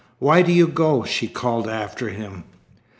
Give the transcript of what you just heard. "Why do you go?" she called after him.